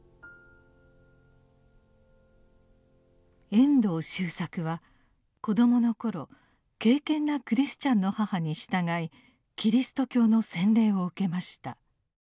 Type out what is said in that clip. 遠藤周作は子供の頃敬けんなクリスチャンの母に従いキリスト教の洗礼を受けました。